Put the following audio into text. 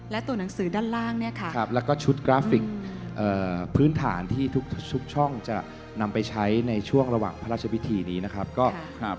และตัวหนังสือด้านล่างเนี่ยค่ะครับแล้วก็ชุดกราฟิกเอ่อพื้นฐานที่ทุกทุกช่องจะนำไปใช้ในช่วงระหว่างพระราชพิธีนี้นะครับ